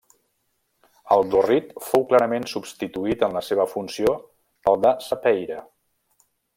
El d'Orrit fou clarament substituït en la seva funció pel de Sapeira.